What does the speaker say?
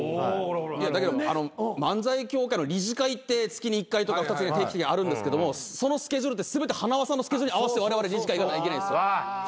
だけど漫才協会の理事会って月に１回とか定期的にあるんですけどもそのスケジュールって全て塙さんのスケジュールに合わせてわれわれ理事会行かなきゃいけないんですよ。